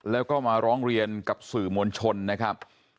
แล้วก็มาร้องเรียนกับสื่อมวลชนนะครับ